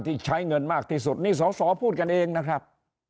ที่ใช้เงินมากที่สุดนี่สอสอพูดกันเองนะครับ